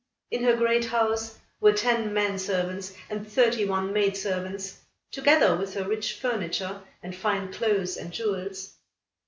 In her great house, were ten men servants and thirty one maid servants, together with her rich furniture, and fine clothes and jewels.